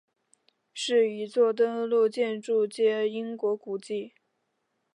是一座登录建筑兼英国古迹。